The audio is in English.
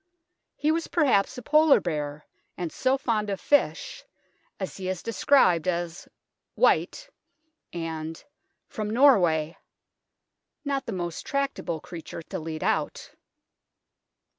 He was perhaps a Polar bear, and so fond of fish, as he is described as " white," and " from Norway " not the most tractable creature to lead out.